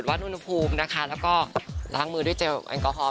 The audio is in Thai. พูมพูมนะคะแล้วก็ล้างมือด้วยเจลแอลกอฮอลม